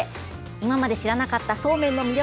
今まで知らなかったそうめんの魅力